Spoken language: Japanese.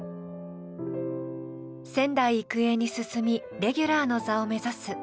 仙台育英に進みレギュラーの座を目指す。